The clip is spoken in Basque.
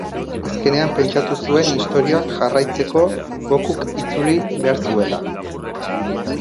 Azkenean pentsatu zuen istorioak jarraitzeko Gokuk itzuli behar zuela.